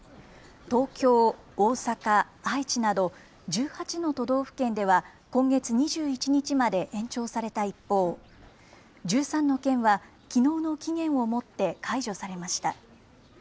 東京、大阪、愛知など、１８の都道府県では、今月２１日まで延長された一方、１３の県は、きのうの期限をもって解除されました。